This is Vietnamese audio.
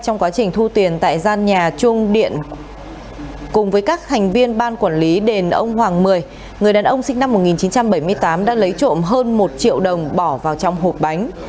người đàn ông sinh năm một nghìn chín trăm bảy mươi tám đã lấy trộm hơn một triệu đồng bỏ vào trong hộp bánh